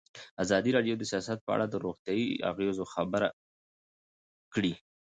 ازادي راډیو د سیاست په اړه د روغتیایي اغېزو خبره کړې.